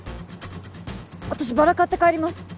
私バラ買って帰ります